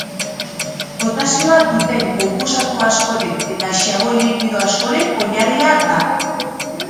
Potasioa duten konposatu askoren eta xaboi likido askoren oinarria da.